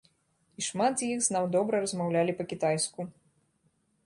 І шмат з іх з нам добра размаўлялі па-кітайску.